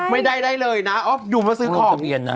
ไม่ได้เลยนะอยู่มาซื้อของ